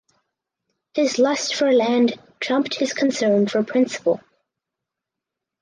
His lust for land trumped his concern for principle.